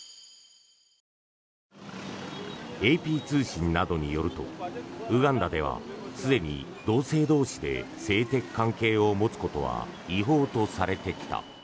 ＡＰ通信などによるとウガンダではすでに同性同士で性的関係を持つことは違法とされてきた。